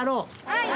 はい。